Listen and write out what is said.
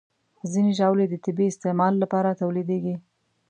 ځینې ژاولې د طبي استعمال لپاره تولیدېږي.